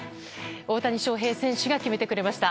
大谷翔平選手が決めてくれました。